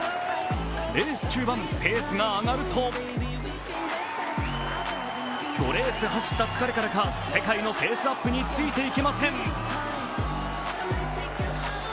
レース中盤、ペースが上がると５レース走った疲れからか、世界のペースアップについて行けません。